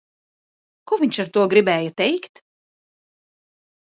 Ko viņš ar to gribēja teikt?